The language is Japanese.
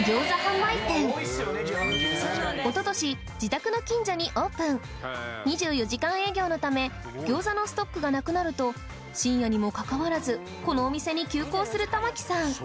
一昨年自宅の近所にオープン２４時間営業のため餃子のストックが無くなると深夜にもかかわらずこのお店に急行する玉城さん